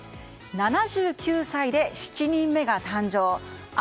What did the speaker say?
７９歳で７人目が誕生あ